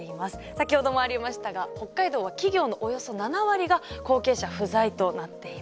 先ほどもありましたが北海道は企業のおよそ７割が後継者不在となっています。